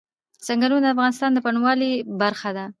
ځنګلونه د افغانستان د بڼوالۍ برخه ده.